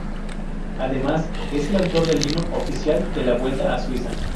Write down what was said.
Además, es el autor del himno oficial de la Vuelta a Suiza.